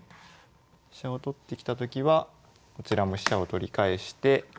飛車を取ってきたときはこちらも飛車を取り返して。